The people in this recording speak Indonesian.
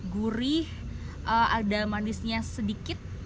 gurih ada manisnya sedikit